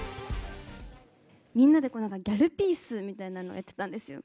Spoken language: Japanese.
みんなで、ギャルピースみたいなのをやってたんですよ。